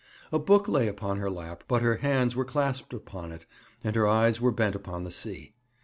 A book lay upon her lap, but her hands were clasped upon it, and her eyes were bent upon the sea.